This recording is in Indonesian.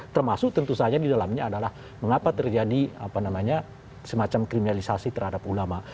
termasuk tentu saja di dalamnya adalah mengapa terjadi semacam kriminalisasi terhadap ulama